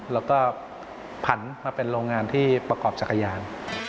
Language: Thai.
แล้วก็ผันมาเป็นโรงงานที่ประกอบจักรยาน